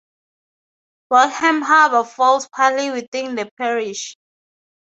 Pagham Harbour falls partly within the parish.